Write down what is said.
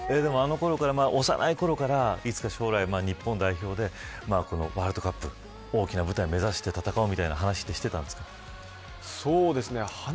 幼いころから、いつか将来、日本代表でワールドカップ大きな舞台を目指して戦おうみたいな話してたんですか。